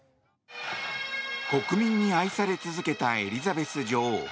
国民に愛され続けたエリザベス女王。